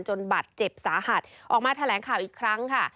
บัตรเจ็บสาหัสออกมาแถลงข่าวอีกครั้งค่ะ